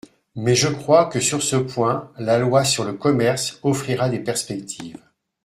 Mais je crois que sur ce point la loi sur le commerce offrira des perspectives.